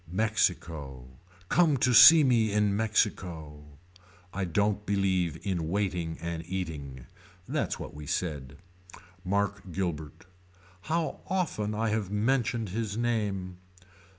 Mexico. Come to see me in Mexico. I don't believe in waiting and eating. That's what we said. Mark Guilbert. How often I have mentioned his name.